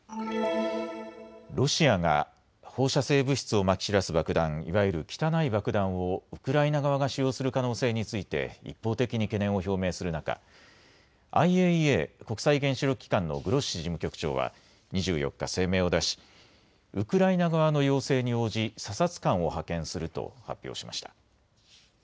ロシアが放射性物質をまき散らす爆弾、いわゆる汚い爆弾をウクライナ側が使用する可能性について一方的に懸念を表明する中、ＩＡＥＡ・国際原子力機関のグロッシ事務局長は２４日声明を出しウクライナ側の要請に応じ査察官を派遣すると発表しました。